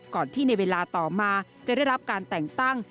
ก่อนที่ในเวลาต่อมาจะได้รับการแต่งตั้ง